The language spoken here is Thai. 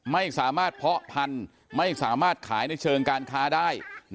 ไม่สามารถเพาะพันธุ์ไม่สามารถขายในเชิงการค้าได้